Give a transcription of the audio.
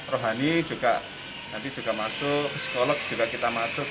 rohani juga nanti juga masuk psikolog juga kita masuk